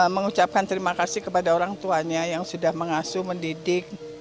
mengucapkan terima kasih kepada orang tuanya yang sudah mengasuh mendidik